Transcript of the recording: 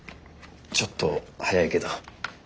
ちょっと早いけど。